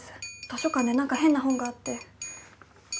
図書館で何か変な本があって。